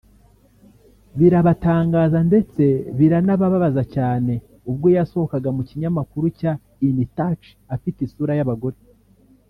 birabatangaza ndetse biranababaza cyane ubwo yasohokaga mu kinyamakuru cya InTouch afite isura y’abagore